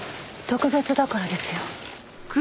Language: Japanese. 特別だからですよ。